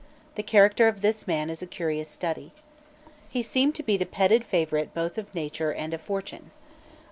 The character of this man is a curious study. He seemed to be the petted favourite both of nature and of fortune.